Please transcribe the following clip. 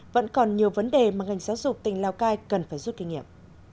vẫn còn nhiều vấn đề mà ngành giáo dục tỉnh lào cai cần phải rút kinh nghiệm